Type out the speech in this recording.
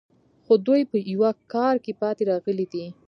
خو دوی په یوه کار کې پاتې راغلي دي